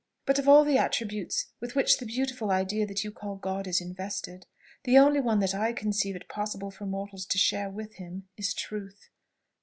But of all the attributes with which the beautiful idea that you call God is invested, the only one that I conceive it possible for mortals to share with Him, is TRUTH.